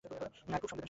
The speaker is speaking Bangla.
আর খুব সংবেদনশীল।